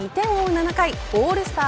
７回オールスター